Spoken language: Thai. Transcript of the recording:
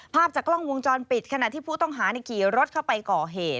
ภาพจากกล้องวงจรปิดขณะที่ผู้ต้องหาขี่รถเข้าไปก่อเหตุ